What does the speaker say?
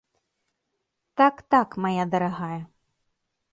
Так, так, мая дарагая.